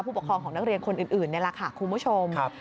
ปกครองของนักเรียนคนอื่นนี่แหละค่ะคุณผู้ชม